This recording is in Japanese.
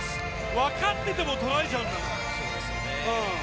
分かってても取られちゃうんだよね。